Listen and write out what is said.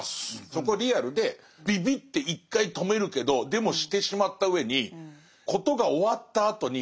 そこリアルでビビって一回止めるけどでもしてしまったうえに事が終わったあとにえらい